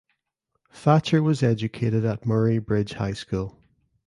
Thatcher was educated at Murray Bridge High School.